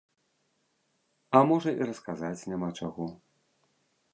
А можа і расказаць няма чаго.